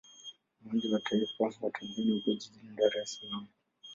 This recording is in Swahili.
Uwanja wa taifa wa Tanzania upo jijini Dar es Salaam.